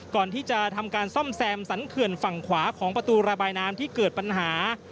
ก่อนที่จะทำการซ่อมแซมสรรเขื่อนฝั่งขวาของประตูระบายน้ำที่เกิดปัญหา